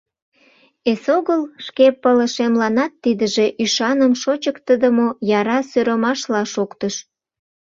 Эсогыл шке пылышемланат тидыже ӱшаным шочыктыдымо яра сӧрымашла шоктыш.